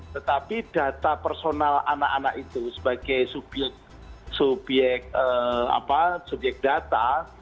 tetapi data personal anak anak itu sebagai subyek data